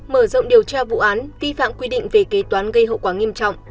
mở rộng điều tra vụ án vi phạm quy định về kế toán gây hậu quả nghiêm trọng